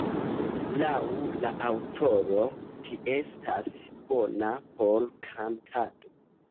Laŭ la aŭtoro, ĝi estas bona por kantado.